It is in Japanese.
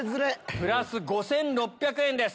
プラス５６００円です。